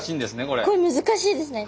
これ難しいですね。